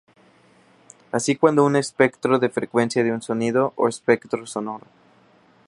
Así cuando un espectro de frecuencia de un sonido, o espectro sonoro.